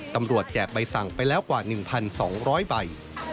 แจกใบสั่งไปแล้วกว่า๑๒๐๐ใบ